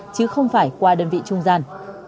chứ không phải qua đơn vị trung gian